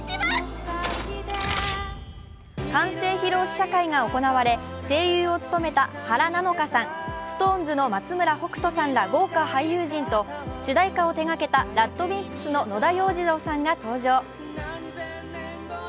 完成披露試写会が行われ声優を務めた原菜乃華さんＳｉｘＴＯＮＥＳの松村北斗さんら豪華俳優陣と主題歌を手がけたＲＡＤＷＩＭＰＳの野田洋次郎さんが登場。